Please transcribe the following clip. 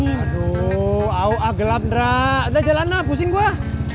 aduh au au gelap rak udah jalan nak pusing gue